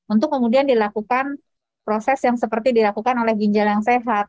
untuk kemudian dilakukan proses yang seperti dilakukan oleh ginjal yang sehat